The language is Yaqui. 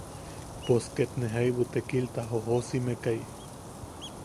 Pos ket ne jaibu tekilta joʼosisimekai.